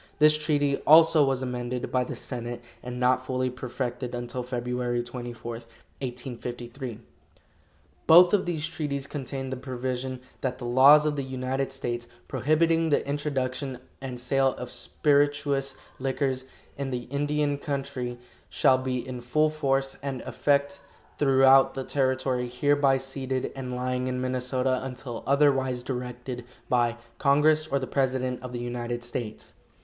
This treaty, also, was amended by the senate, and not fully perfected until Feb. 24, 1853. Both of these treaties contained the provision that "The laws of the United States, prohibiting the introduction and sale of spirituous liquors in the Indian country, shall be in full force and effect throughout the territory hereby ceded and lying in Minnesota until otherwise directed by congress or the president of the United States."